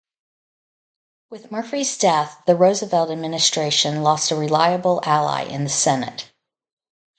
With Murphy's death, the Roosevelt Administration lost a reliable ally in the Senate.